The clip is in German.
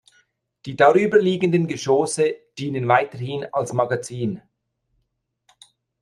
Die darüberliegenden Geschosse dienen weiterhin als Magazin.